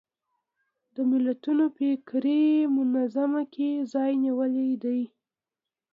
د ملتونو فکري منظومه کې ځای نیولی دی